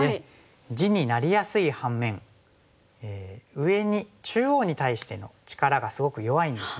地になりやすい反面上に中央に対しての力がすごく弱いんですね。